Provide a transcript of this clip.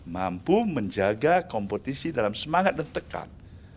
mampu menjaga kompetisi dalam semangat dan tekan